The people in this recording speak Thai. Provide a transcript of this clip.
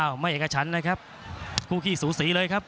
ไม่เอกชั้นนะครับคู่ขี้สูสีเลยครับ